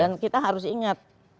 dan kita harus ingat